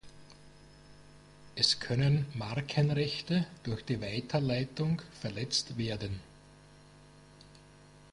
Es können Markenrechte durch die Weiterleitung verletzt werden.